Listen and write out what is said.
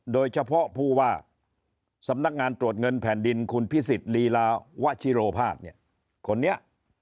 โดยเฉพาะผู้ว่าสำนักงานตรวจเงินแผ่นดินคุณพิสิทธิ์ลีลาวะชิโรภาสเนี่ยคนนี้